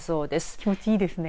気持ちいいですね。